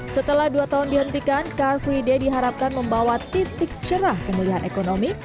setelah dua tahun dihentikan car free day diharapkan membawa titik cerah pemulihan ekonomi